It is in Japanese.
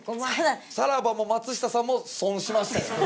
さらばも松下さんも損しましたよね。